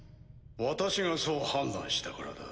私がそう判断したからだ。